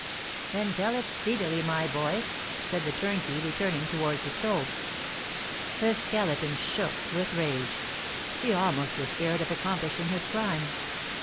"Then tell it speedily, my boy," said the turnkey, returning towards the stove. The Skeleton shook with rage. He almost despaired of accomplishing his crime.